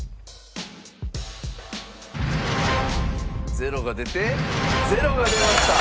０が出て０が出ました。